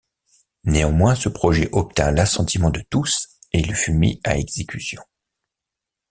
Néanmoins, ce projet obtint l’assentiment de tous, et il fut mis à exécution.